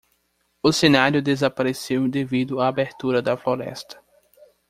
O cenário desapareceu devido à abertura da floresta